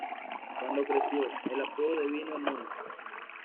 Cuando creció, el apodo devino en "Nona".